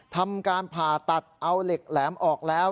ทำการผ่าตัดเอาเหล็กแหลมออกแล้ว